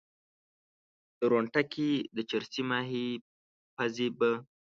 درونټه کې د چرسي ماهي پزي به